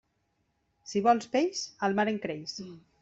Si vols peix, al mar en creix.